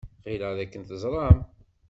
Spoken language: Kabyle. Ɣileɣ dakken teẓram.